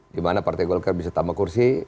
dimana partai golkar bisa tambah kursi